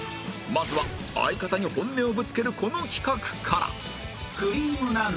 まずは相方に本音をぶつけるこの企画から